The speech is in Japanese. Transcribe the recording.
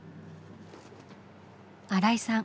新井さん